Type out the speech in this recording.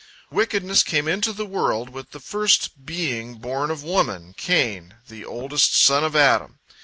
Wickedness came into the world with the first being born of woman, Cain, the oldest son of Adam.